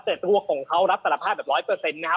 แต่ตัวของเขารับสารภาพแบบร้อยเปอร์เซ็นต์นะครับ